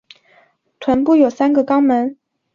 臀部有三个肛门。